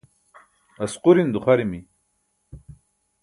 asquriṅ duxarimi